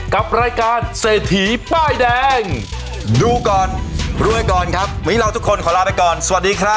กับรายการเศรษฐีป้ายแดงดูก่อนรวยก่อนครับวันนี้เราทุกคนขอลาไปก่อนสวัสดีครับ